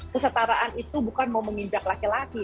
kesetaraan itu bukan mau menginjak laki laki